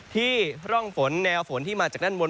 ร่องฝนแนวฝนที่มาจากด้านบน